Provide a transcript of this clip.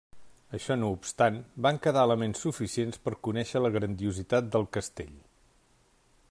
Això no obstant, van quedar elements suficients per conèixer la grandiositat del castell.